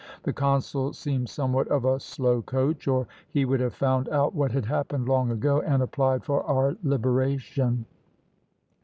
The consul seems somewhat of a slow coach, or he would have found out what had happened long ago, and applied for our liberation."